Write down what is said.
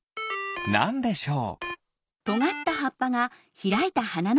なんでしょう？